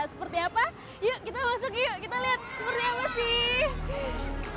seperti apa yuk kita masuk yuk kita lihat seperti apa sih